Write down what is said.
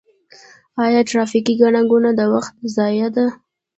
آیا ټرافیکي ګڼه ګوڼه د وخت ضایع ده؟